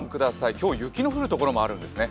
今日、雪の降る所もあるんですね。